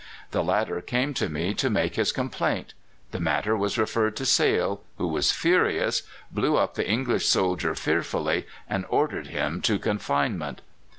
The latter came to me to make his complaint. The matter was referred to Sale, who was furious, blew up the English soldier fearfully, and ordered him to confinement.